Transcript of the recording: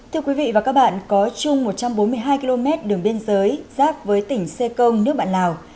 thưa quý vị và các bạn có chung một trăm bốn mươi hai km đường biên giới giáp với tỉnh xê công nước bạn lào